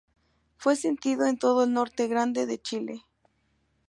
Fue sentido en todo el Norte Grande de Chile.